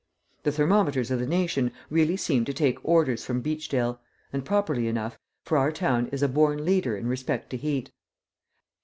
The thermometers of the nation really seemed to take orders from Beachdale, and properly enough, for our town is a born leader in respect to heat.